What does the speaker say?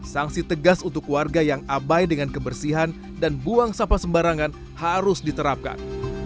sanksi tegas untuk warga yang abai dengan kebersihan dan buang sampah sembarangan harus diterapkan